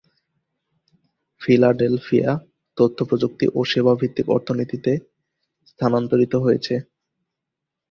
Philadelphia তথ্য প্রযুক্তি ও সেবা ভিত্তিক অর্থনীতিতে স্থানান্তরিত হয়েছে।